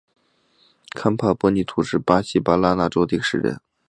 坎普博尼图是巴西巴拉那州的一个市镇。